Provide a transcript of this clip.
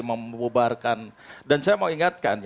membubarkan dan saya ingatkan